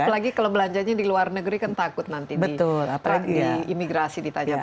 apalagi kalau belanjanya di luar negeri kan takut nanti di imigrasi ditanya